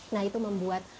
nah itu membuat